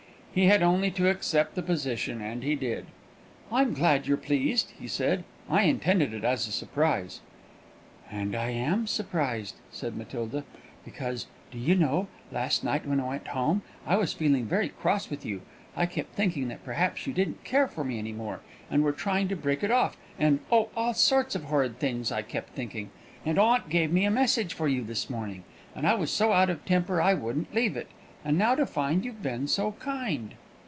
He had only to accept the position; and he did. "I'm glad you're pleased," he said; "I intended it as a surprise." "And I am surprised," said Matilda; "because, do you know, last night, when I went home, I was feeling very cross with you. I kept thinking that perhaps you didn't care for me any more, and were trying to break it off; and, oh, all sorts of horrid things I kept thinking! And aunt gave me a message for you this morning, and I was so out of temper I wouldn't leave it. And now to find you've been so kind!"